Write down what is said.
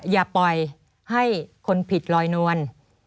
อย่าปล่อยให้คนผิดลอยนวล